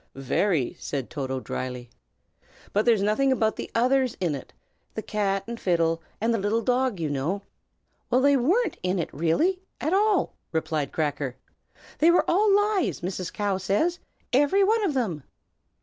"Very!" said Toto, dryly. "But there's nothing about the others in it, the cat and fiddle, and the little dog, you know." "Well, they weren't in it really, at all!" replied Cracker. "They were all lies, Mrs. Cow says, every one of them."